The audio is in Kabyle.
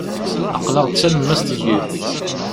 Aql-aɣ d talemmast n yiḍ.